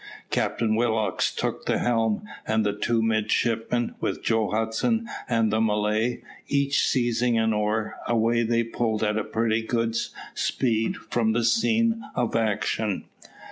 Captain Willock took the helm, and the two midshipmen, with Joe Hudson and the Malay, each seizing an oar, away they pulled at a pretty good speed from the scene of action.